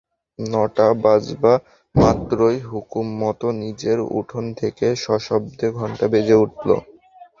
ন-টা বাজবা মাত্রই হুকুমমতো নীচের উঠোন থেকে সশব্দে ঘণ্টা বেজে উঠল।